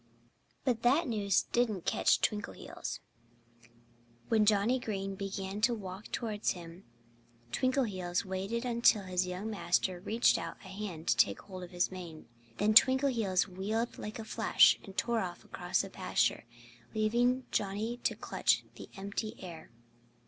But that news didn't catch Twinkleheels. When Johnnie Green began to walk towards him Twinkleheels waited until his young master reached out a hand to take hold of his mane. Then Twinkleheels wheeled like a flash and tore off across the pasture, leaving Johnnie to clutch the empty air.